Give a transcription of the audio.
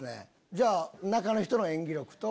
じゃあ中の人の演技力と。